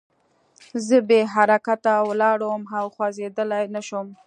زه بې حرکته ولاړ وم او خوځېدلی نه شوم